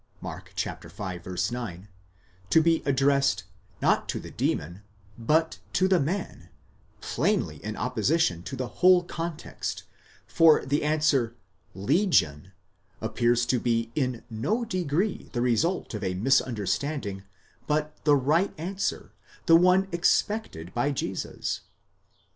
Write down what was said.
(Mark v. 9) to be addressed, not to the demon, but to the man,* plainly in opposition to the whole context, for the answer, Legion, appears to be in no degree the result of a misunderstanding, but the right answer—the one expected by Jesus.